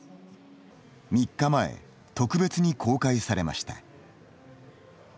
３日前、特別に公開されました。